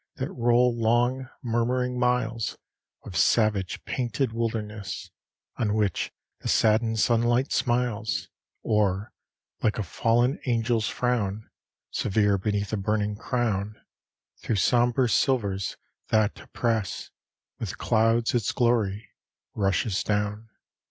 that roll long, murmuring miles Of savage painted wilderness, On which the saddened sunlight smiles; Or, like a fallen angel's frown Severe beneath a burning crown Through sombre silvers, that oppress With clouds its glory, rushes down.